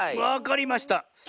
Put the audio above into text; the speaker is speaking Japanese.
わかりました。